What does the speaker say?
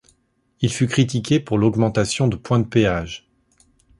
Il fut critiqué pour l'augmentation de points de péage.